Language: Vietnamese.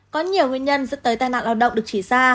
có nhiều nguyên nhân dẫn tới tai nạn lao động được chỉ ra